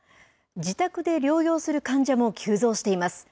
自宅で療養する患者も急増しています。